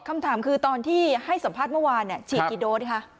คำถามคือตอนที่ให้สัมภาษณ์เมื่อวานฉีดกี่โดสคะ